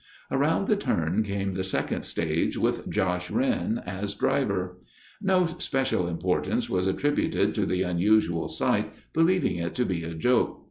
Around the turn came the second stage with "Josh" Wrenn as driver. No especial importance was attributed to the unusual sight, believing it to be a joke.